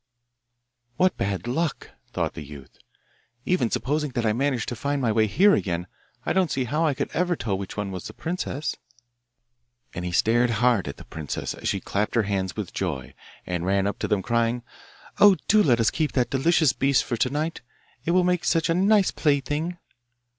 'What bad luck!' thought the youth. 'Even supposing that I managed to find my way here again, I don't see how I could ever tell which was the princess.' And he stared hard at the princess as she clapped her hands with joy and ran up to them, crying, ' Oh, do let us keep that delicious beast for to night; it will make such a nice plaything.